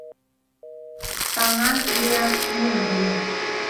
Таҥан лияш, мужыр лияш